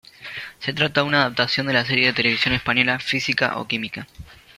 Se trata de una adaptación de la serie de televisión española "Física o química".